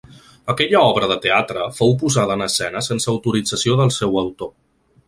Aquella obra de teatre fou posada en escena sense autorització del seu autor.